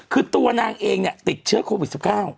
คือตัวนางเองเนี่ยติดเชื้อโควิด๑๙